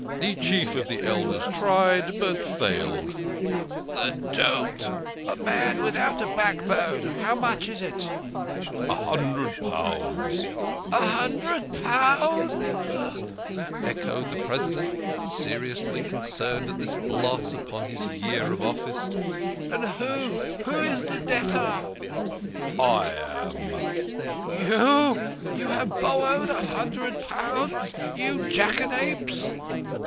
The Chief of the Elders tried, but failed." "The dolt!" cried the President. "A man without a backbone. How much is it?" 138 THE KING OF SCHNORRERS. " A hundred pounds !"" A hundred pounds !" echoed the President, seriously concerned at this blot upon his year of office. " And who is the debtor?" " I am." " You ! You have borrowed a hundred pounds, you you jackanapes